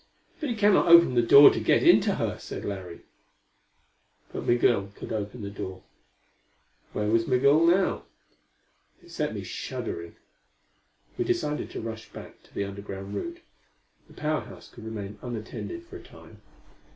"But he cannot open the door to get into her," said Larry. But Migul could open the door. Where was Migul now? It set me shuddering. We decided to rush back by the underground route. The Power House could remain unattended for a time.